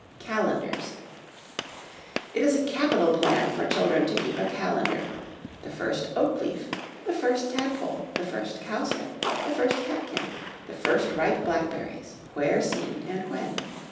Calendars. It is a capital plan for children to keep a calendar the first oak leaf, the first tad pole, the first cowslip, the first catkin, the first ripe blackberries, where seen, and when.